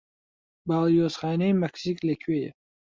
باڵیۆزخانەی مەکسیک لەکوێیە؟